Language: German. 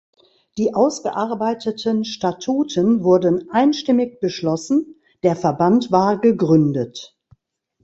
Die ausgearbeiteten Statuten wurden einstimmig beschlossen; der Verband war gegründet.